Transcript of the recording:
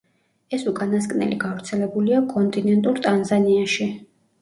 ეს უკანასკნელი გავრცელებულია კონტინენტურ ტანზანიაში.